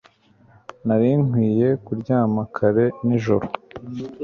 Nari nkwiye kuryama kare nijoro